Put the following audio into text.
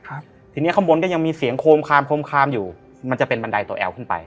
ทีเนี้ยข้างบนก็ยังมีเสียงโคมคามโคมคามอยู่มันจะเป็นบันไดตัวแอลขึ้นไป